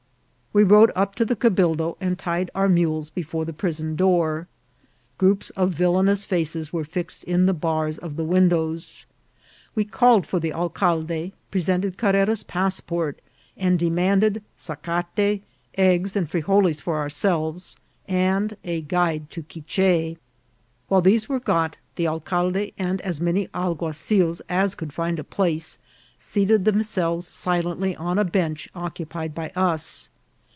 We rode up to the cabildo, and tied our mules before the prison door. Groups of villanous faces were fixed in the bars of the windows. We call ed for the alcalde, presented Carrera's passport, and demanded sacate, eggs, and frigoles for ourselves, and a guide to Quiche. While these were got, the alcalde, and as many alguazils as could find a place, seated themselves silently on a bench occupied by us.